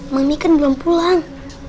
kami kan belum pulang